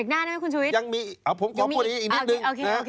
เบรกหน้านะคุณชุวิตยังมีอีกอ่ะผมขอพูดอีกนิดนึงนะ